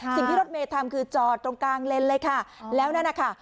สิ่งที่รถเมย์ทำคือจอดตรงกลางเลนเลยค่ะแล้วนั่นนะคะ